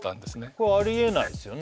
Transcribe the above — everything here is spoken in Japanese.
これはありえないですよね